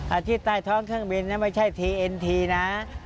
อาทิตร์ใต้ท้องเขื่องบินนะไม่ใช่ทีเอ็นทีนะ